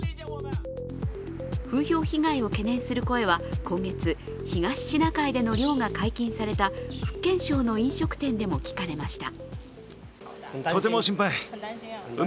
風評被害を懸念する声は今月東シナ海での漁が解禁された福建省の飲食店でも聞かれました。